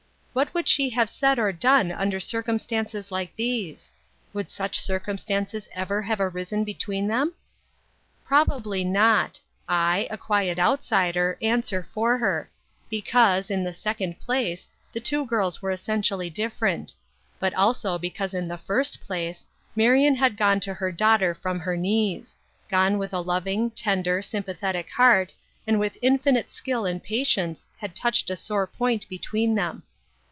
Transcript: What would she have said or done under circumstances like these ? Would such circumstances ever have arisen between them ? Probably not ; I, a quiet outsider, answer for her ; because, in the second place, the two girls were essentially different ; but also because in the first place, Marion had gone to her daughter from her knees ; gone with a loving, tender, sympathetic 50 UNWELCOME RESPONSIBILITIES. heart, and with infinite skill and patience had touched the sore point between them.